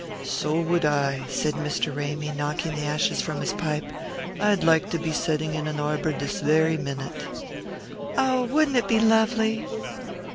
"So would I," said Mr. Ramy, knocking the ashes from his pipe. "I'd like to be setting in an arbour dis very minute." "Oh, wouldn't it be lovely?"